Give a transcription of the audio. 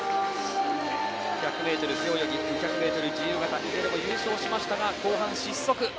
１００ｍ背泳ぎ２００ｍ自由形、優勝しましたが後半、失速。